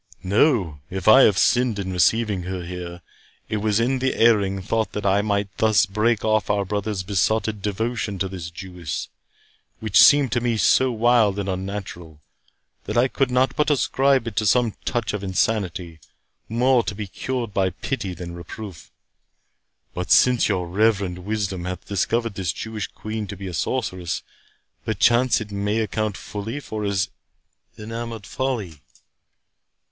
—No! if I have sinned in receiving her here, it was in the erring thought that I might thus break off our brother's besotted devotion to this Jewess, which seemed to me so wild and unnatural, that I could not but ascribe it to some touch of insanity, more to be cured by pity than reproof. But since your reverend wisdom hath discovered this Jewish queen to be a sorceress, perchance it may account fully for his enamoured folly."